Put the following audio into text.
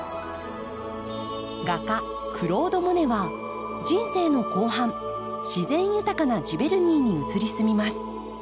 画家クロード・モネは人生の後半自然豊かなジヴェルニーに移り住みます。